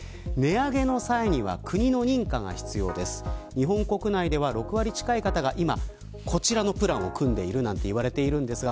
日本国内では６割近い方が今、こちらのプランを組んでいると言われていますが